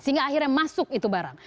sehingga akhirnya masuk itu barang